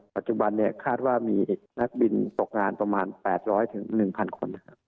ปัจจุบันคาดว่ามีนักบินตกงานประมาณ๘๐๐๑๐๐คน